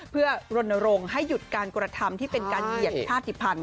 เพื่อรณรงค์ให้หยุดการกระทำที่เป็นการเหยียดชาติภัณฑ์